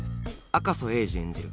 赤楚衛二演じる